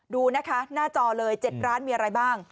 ดูนะคะหน้าจอเลย๗ร้านมีอะไรบ้าง